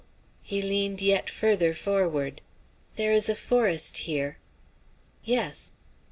He leaned yet further forward. "There is a forest here." "Yes."